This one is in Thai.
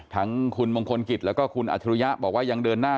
ทั้งคุณมงคลกิจแล้วก็คุณอัจฉริยะบอกว่ายังเดินหน้า